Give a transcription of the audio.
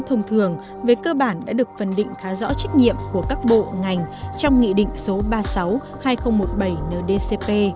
thông thường về cơ bản đã được phân định khá rõ trách nhiệm của các bộ ngành trong nghị định số ba mươi sáu hai nghìn một mươi bảy ndcp